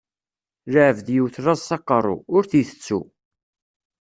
Lɛebd yewwet laẓ s aqeṛṛu, ur t-itettu.